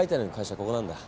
ここなんだ？